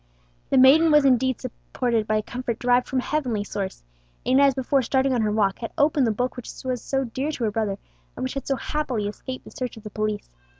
The maiden was indeed supported by comfort derived from a heavenly source. Inez, before starting on her walk, had opened the Book which was so dear to her brother, and which had so happily escaped the search of the police.